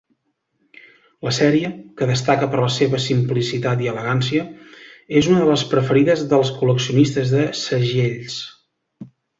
La sèrie, que destaca per la seva simplicitat i elegància, és una de les preferides dels col·leccionistes de segells.